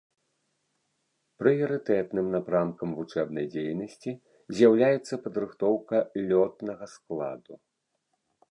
Прыярытэтным напрамкам вучэбнай дзейнасці з'яўляецца падрыхтоўка лётнага складу.